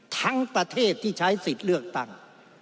ทั้งประเทศที่ใช้สิทธิ์เลือกตั้ง